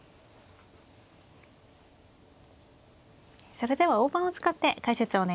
それでは大盤を使って解説をお願いいたします。